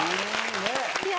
いや。